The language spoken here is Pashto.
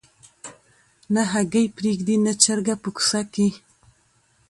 نه هګۍ پرېږدي نه چرګه په کوڅه کي